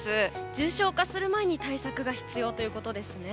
重症化する前に対策が必要ということですね。